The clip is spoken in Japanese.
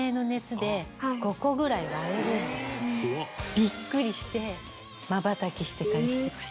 ビックリしてまばたきしてたりしてました。